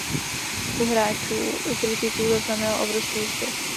U hráčů i kritiků zaznamenal obrovský úspěch.